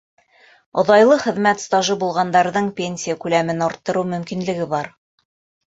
— Оҙайлы хеҙмәт стажы булғандарҙың пенсия күләмен арттырыу мөмкинлеге бар.